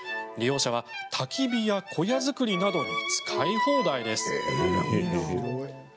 利用者はたき火や小屋造りなどに使い放題です。